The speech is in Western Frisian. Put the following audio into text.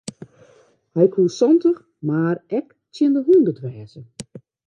Hy koe santich mar ek tsjin de hûndert wêze.